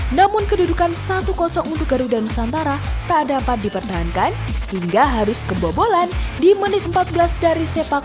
namun kedudukan satu untuk garuda nusantara tak dapat dipertahankan hingga harus kebobolan di menit empat belas dari sepak bola